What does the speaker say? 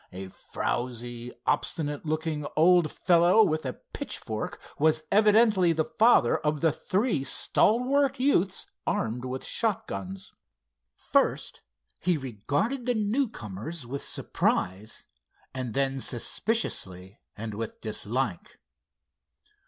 A frowsy, obstinate looking old fellow with a pitchfork was evidently the father of the three stalwart youths armed with shotguns. First he regarded the newcomers with surprise, and then suspiciously and with dislike.